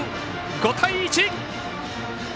５対１。